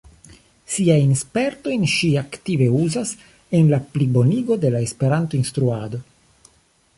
Siajn spertojn ŝi aktive uzas en la plibonigo de la Esperanto-instruado.